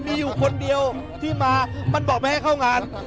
มีอยู่คนเดียวที่มามันบอกไม่ให้เข้างาน